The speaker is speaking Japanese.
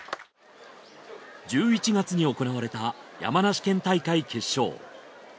１１月に行われた山梨県大会決勝。